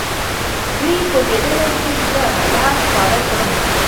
دوی پوهېدل چې زه حلال خواړه خورم.